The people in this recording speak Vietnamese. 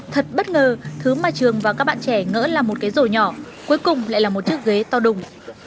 thật bất ngờ thứ mà trường và các bạn trẻ ngỡ là một cái rổ nhỏ cuối cùng lại là một chiếc ghế to đùng